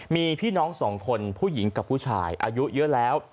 มีพี่น้องสองคนผู้หญิงกับผู้ชายอายุเยอะแล้ว